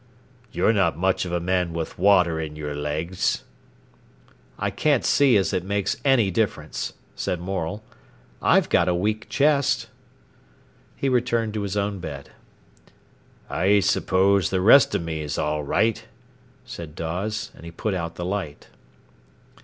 "You're not much of a man with water in your legs." "I can't see as it makes any difference," said Morel. "I've got a weak chest." He returned to his own bed. "I suppose the rest of me's all right," said Dawes, and he put out the light.